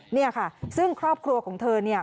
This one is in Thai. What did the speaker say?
เนี่ยค่ะซึ่งครอบครัวของเธอเนี่ย